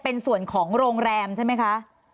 เป็นส่วนของโรงแรมใช่ไหมคะ